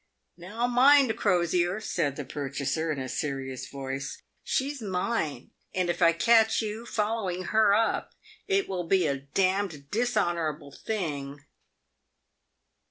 " Now mind, Crosier," said the purchaser, in a serious voice, " she's mine ; and if I catch you following her up, it will be a d — d dis honourable thing."